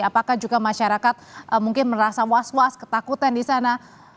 apakah juga masyarakat mungkin merasa was was ketakutan di sana